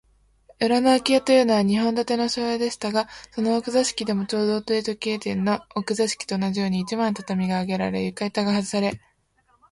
裏のあき家というのは、日本建ての商家でしたが、その奥座敷でも、ちょうど大鳥時計店の奥座敷と同じように、一枚の畳があげられ、床板がはずされ、